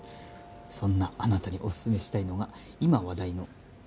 「そんなあなたにオススメしたいのが今話題の」